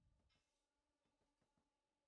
hii wakati tembea kwenye msitu Kati ya